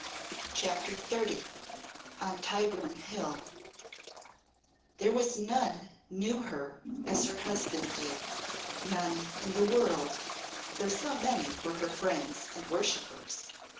CHAPTER XXX On Tyburn Hill There was none knew her as her husband did none in the world though so many were her friends and worshippers.